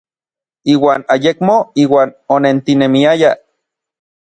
Iuan ayekmo iuan onentinemiayaj.